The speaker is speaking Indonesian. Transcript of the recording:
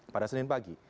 pada senin pagi